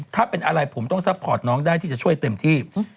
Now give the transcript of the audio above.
ถ้าเป็นอะไรผมต้องซัพพอร์ตน้องได้ที่จะช่วยเต็มที่